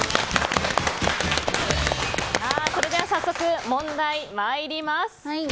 それでは早速問題、参ります。